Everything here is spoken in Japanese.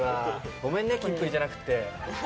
ごめんね、キンプリじゃなくて。